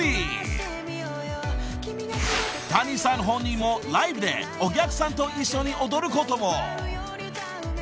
［Ｔａｎｉさん本人もライブでお客さんと一緒に踊ることも］